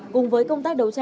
cùng với công tác đầu truyền